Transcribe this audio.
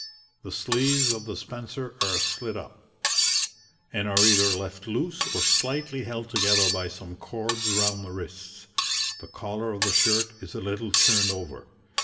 The sleeves of the spencer are slit up, and are either left loose or slightly held together by some cords round the wrists; the collar of the shirt is a little turned over.